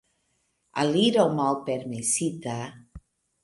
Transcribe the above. Aliro malpermesita.